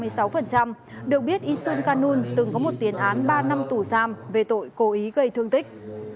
được biết yisun kanun từng có một tiến án ba năm tù giam về tội cố ý gây thương tích